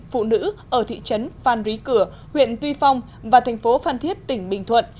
phụ nữ ở thị trấn phan rí cửa huyện tuy phong và thành phố phan thiết tỉnh bình thuận